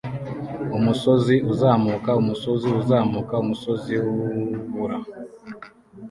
Umusozi uzamuka umusozi uzamuka umusozi wubura